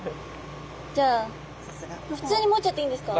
じゃあ普通に持っちゃっていいんですか？